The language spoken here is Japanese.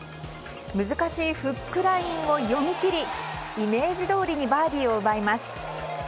難しいフックラインを読み切りイメージ通りにバーディーを奪います。